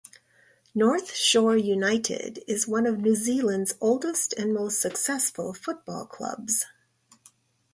North Shore United is one of New Zealand's oldest and most successful football clubs.